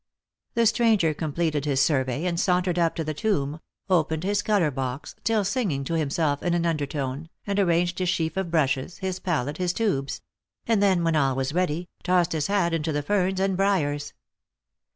The stranger completed his survey, and sauntered up to the tomb, opened his colour box, still singing to himself in an under tone, and arranged his sheaf of brushes, his pallet, his tubes ; and then, when all was ready, tossed his hat into the ferns and briars.